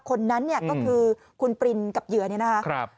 คนนั้นก็คือคุณปรินกับเหยื่อนี่นะคะ